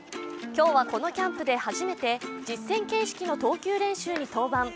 今日はこのキャンプで初めて実戦形式の投球練習に登板。